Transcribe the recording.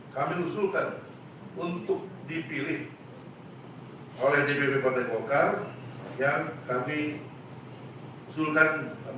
kami usulkan untuk dipilih oleh dpp partai golkar yang kami usulkan